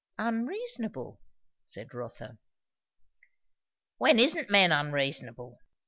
"Unreasonable " said Rotha. "When isn't men unreasonable?